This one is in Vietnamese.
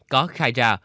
có khai ra